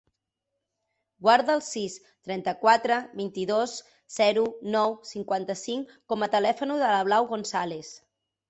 Guarda el sis, trenta-quatre, vint-i-dos, zero, nou, cinquanta-cinc com a telèfon de la Blau Gonzales.